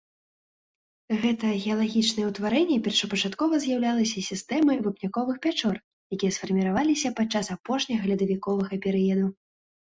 Гэта геалагічнае ўтварэнне першапачаткова з'яўлялася сістэмай вапняковых пячор, якія сфарміраваліся падчас апошняга ледавіковага перыяду.